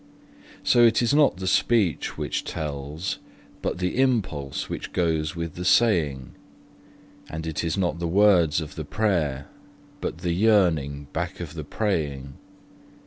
So it is not the speech which tells, but the impulse which goes with the saying; And it is not the words of the prayer, but the yearning back of the praying.